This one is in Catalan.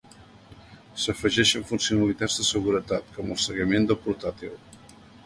S’afegeixen funcionalitats de seguretat, com el seguiment del portàtil.